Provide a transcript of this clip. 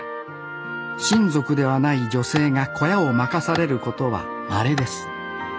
親族ではない女性が小屋を任されることはまれです